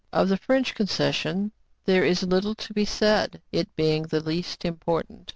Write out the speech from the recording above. Of the French concession, there is little to be said, it being the least important.